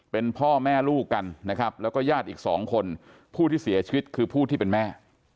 เป็นพ่อแม่ลูกกันนะครับแล้วก็ญาติอีกสองคนผู้ที่เสียชีวิตคือผู้ที่เป็นแม่